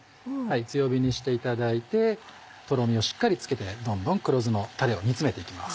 強火にしていただいてとろみをしっかりつけてどんどん黒酢のたれを煮詰めて行きます。